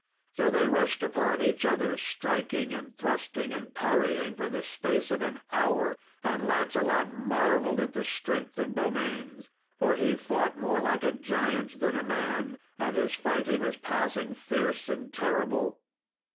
So they rushed upon each other, striking, and thrusting, and parrying, for the space of an hour. And Lancelot marvelled at the strength of Beaumains, for he fought more like a giant than a man, and his fighting was passing fierce and terrible.